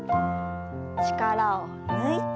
力を抜いて。